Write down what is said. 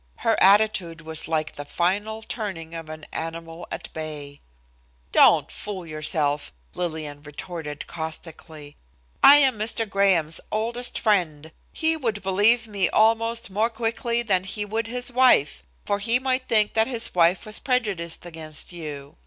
Her attitude was like the final turning of an animal at bay. "Don't fool yourself," Lillian retorted caustically. "I am Mr. Graham's oldest friend. He would believe me almost more quickly than he would his wife, for he might think that his wife was prejudiced against you.